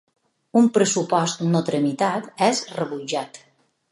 Un pressupost no tramitat és rebutjat.